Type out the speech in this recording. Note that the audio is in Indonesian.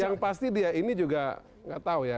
yang pasti dia ini juga nggak tahu ya